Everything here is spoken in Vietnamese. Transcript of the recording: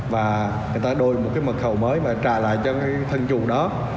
và người ta đôi một cái mật khẩu mới và trả lại cho cái thân chuồng đó